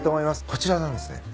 こちらなんですね。